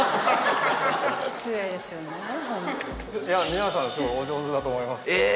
皆さんすごいお上手だと思います。